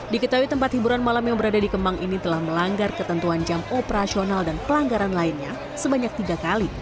diketahui tempat hiburan malam yang berada di kemang ini telah melanggar ketentuan jam operasional dan pelanggaran lainnya sebanyak tiga kali